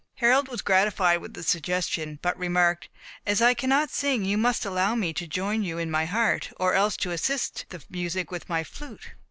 Harold was gratified with the suggestion, but remarked, "As I cannot sing, you must allow me to join you in my heart, or else to assist the music with my flute."